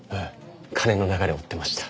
金の流れを追ってました。